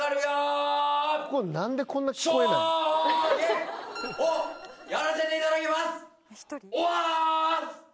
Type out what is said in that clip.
『将棋』をやらせていただきます！